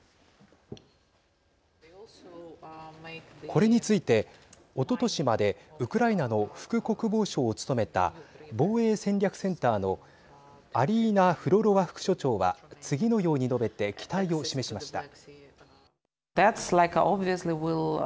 これについておととしまでウクライナの副国防相を務めた防衛戦略センターのアリーナ・フロロワ副所長は次のように述べて期待を示しました。